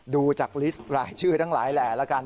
ดูจากลิสต์รายชื่อทั้งหลายแหล่แล้วกัน